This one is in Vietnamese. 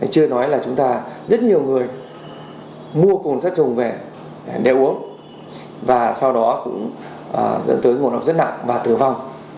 chưa nói là chúng ta rất nhiều người mua cồn sắt chủng về để uống và sau đó cũng dẫn tới ngộ độc rất nặng và tử vong